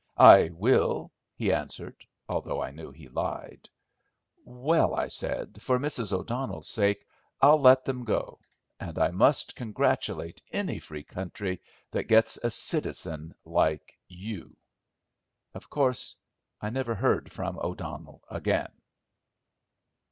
"I will," he answered, although I knew he lied. "Well," I said, "for Mrs. O'Donnell's sake, I'll let them go; and I must congratulate any free country that gets a citizen like you." Of course I never heard from O'Donnell again.